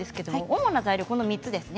主な材料はこの３つです。